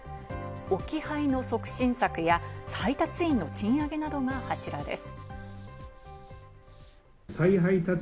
置き配の促進策や、配達員の賃上げなどが柱です。